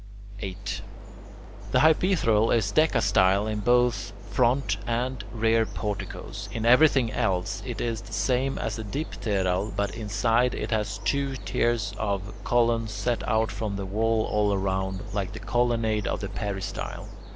8. The hypaethral is decastyle in both front and rear porticoes. In everything else it is the same as the dipteral, but inside it has two tiers of columns set out from the wall all round, like the colonnade of a peristyle.